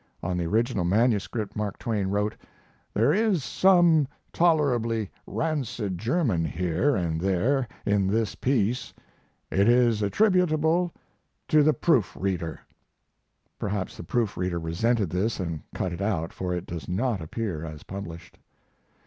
[On the original manuscript Mark Twain wrote: "There is some tolerably rancid German here and there in this piece. It is attributable to the proof reader." Perhaps the proof reader resented this and cut it out, for it does not appear as published.